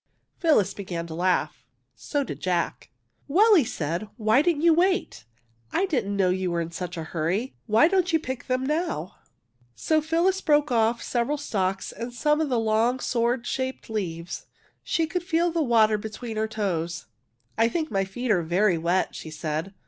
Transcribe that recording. Phyllis began to laugh. So did Jack. '' Well," said he, " why didn't you wait? I didn't know you were in such a hurry. Why don't you pick them now? " 142 THE IRIS So PhylUs broke off several stalks and some of the long sword shaped leaves. She could feel the water between her toes. ^' I think my feet are very wet/' she said.